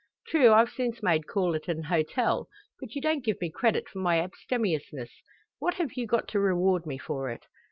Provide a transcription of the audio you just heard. True, I've since made call at an hotel, but you don't give me credit for my abstemiousness! What have you got to reward me for it?"